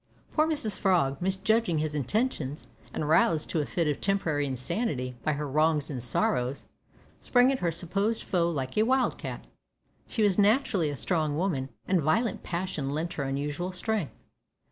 Poor Mrs Frog, misjudging his intentions, and roused to a fit of temporary insanity by her wrongs and sorrows, sprang at her supposed foe like a wildcat. She was naturally a strong woman, and violent passion lent her unusual strength.